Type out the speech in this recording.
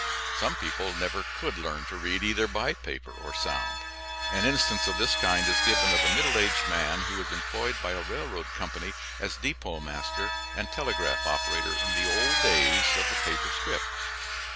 Some people never could learn to read either by paper or sound. An instance of this kind is given of a middle aged man who was employed by a railroad company as depot master and telegraph operator, in the old days of the paper strip.